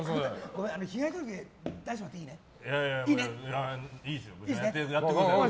ごめん、被害届出しちゃっていいね？